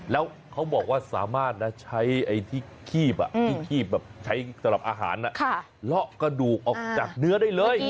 แล้วเขาบอกว่าสามารถนะใช้ที่ขี้บใช้สำหรับอาหารละกระดูกออกจากเนื้อได้เลย